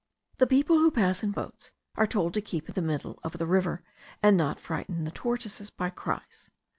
The people who pass in boats are told to keep in the middle of the river, and not frighten the tortoises by cries.